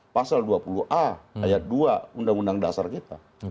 pasal dua puluh a ayat dua undang undang dasar kita